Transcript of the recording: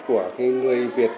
của người việt